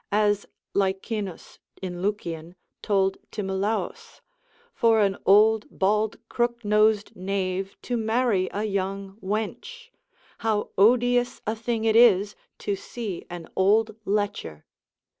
as Lycinus in Lucian told Timolaus, for an old bald crook nosed knave to marry a young wench; how odious a thing it is to see an old lecher!